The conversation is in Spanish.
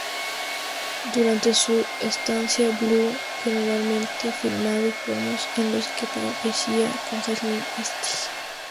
Durante su estancia, Blue generalmente filmando promos en los que aparecía con Jasmin St.